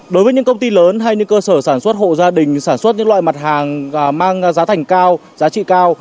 đối với những công ty lớn hay những cơ sở sản xuất hộ gia đình sản xuất những loại mặt hàng mang giá thành cao giá trị cao